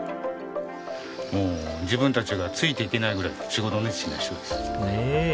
もう自分たちがついて行けないぐらい仕事熱心な人です。